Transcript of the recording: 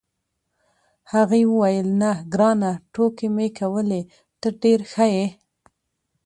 هغې وویل: نه، ګرانه، ټوکې مې کولې، ته ډېر ښه یې.